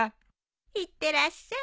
いってらっしゃい。